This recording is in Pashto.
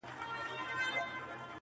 راپهدېخوا د پوهنې تاریخ کتلی